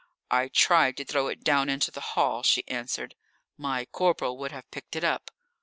"I tried to throw it down into the hall," she answered. "My corporal would have picked it up."